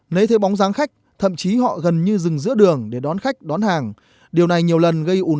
nấy thế bóng dáng khách thậm chí họ gần như dừng giữa đường để đón khách đón hàng